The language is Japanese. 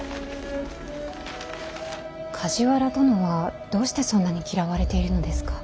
梶原殿はどうしてそんなに嫌われているのですか。